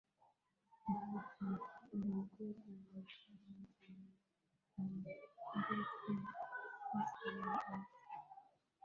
baadhi vigogo wa chama cha mapinduzi ccm hasa